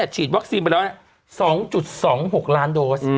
ฉีดวัคซีนไปแล้ว๒๒๖ล้านโดส